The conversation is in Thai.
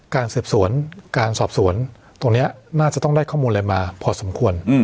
การสืบสวนการสอบสวนตรงนี้น่าจะต้องได้ข้อมูลอะไรมาพอสมควร